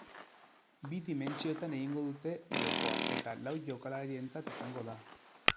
Bi dimentsiotan egingo dute jokoa eta lau jokalarirentzat izango da.